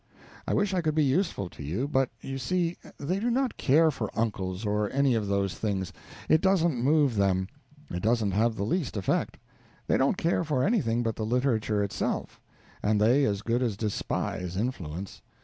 I wish I could be useful to you, but, you see, they do not care for uncles or any of those things; it doesn't move them, it doesn't have the least effect, they don't care for anything but the literature itself, and they as good as despise influence.